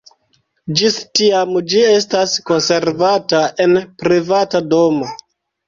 Ĝis tiam ĝi estas konservata en privata domo.